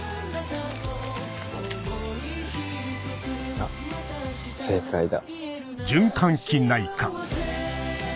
あっ正解だ。